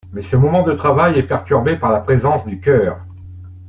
Mais ce moment de travail est perturbé par la présence du chœur.